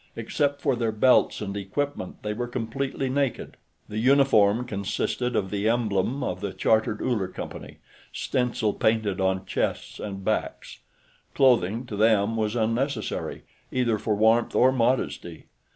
Except for their belts and equipment, they were completely naked; the uniform consisted of the emblem of the Chartered Uller Company stencil painted on chests and backs. Clothing, to them, was unnecessary, either for warmth or modesty.